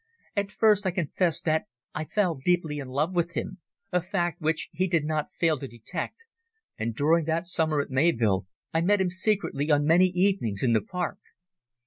At first I confess that I fell deeply in love with him, a fact which he did not fail to detect, and during that summer at Mayvill I met him secretly on many evenings in the park.